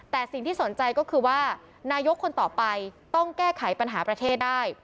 แต่สิ่งที่สนใจก็คือว่านายกคนต่อไปต้องแก้ไขปัญหาประเทศได้